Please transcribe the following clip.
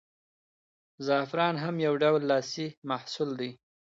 زعفران هم یو ډول لاسي محصول دی.